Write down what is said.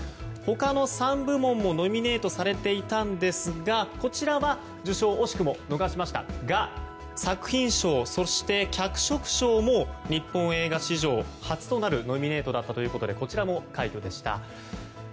他の３部門もノミネートされていたんですがこちらは、受賞は惜しくも逃しましたが作品賞、そして脚色賞も日本映画史上初のノミネートだったということでこちらも快挙でした。